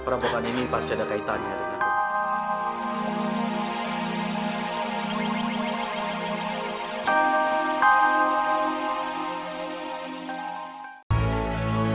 perempuan ini pasti ada kaitannya dengan aku